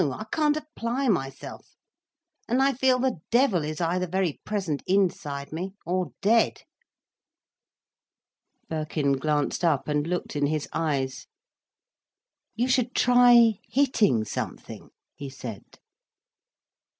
I can't apply myself. And I feel the devil is either very present inside me, or dead." Birkin glanced up and looked in his eyes. "You should try hitting something," he said.